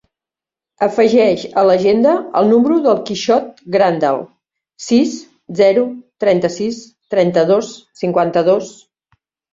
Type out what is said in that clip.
Afegeix a l'agenda el número del Quixot Grandal: sis, zero, trenta-sis, trenta-dos, cinquanta-dos.